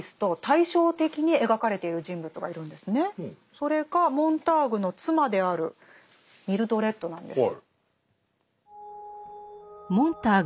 それがモンターグの妻であるミルドレッドなんです。